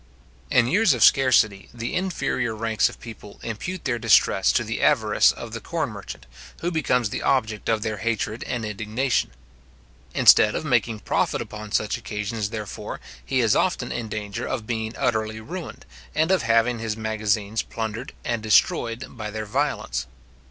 In years of scarcity, the inferior ranks of people impute their distress to the avarice of the corn merchant, who becomes the object of their hatred and indignation. Instead of making profit upon such occasions, therefore, he is often in danger of being utterly ruined, and of having his magazines plundered and destroyed by their violence.